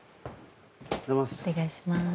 お願いします。